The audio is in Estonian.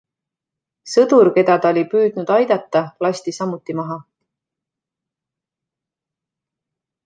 Sõdur, keda ta oli püüdnud aidata, lasti samuti maha.